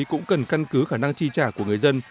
cũng cần căn cứ khả năng chi trả của người dân